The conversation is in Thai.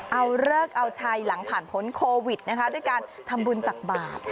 เอาเลิกเอาชัยหลังผ่านพ้นโควิดนะคะด้วยการทำบุญตักบาท